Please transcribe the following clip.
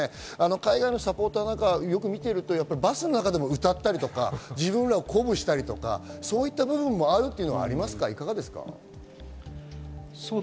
海外のサポーターをよく見ていると、バスの中でも歌ったりとか、自分たちを鼓舞したりとか、そういった部分はありますか？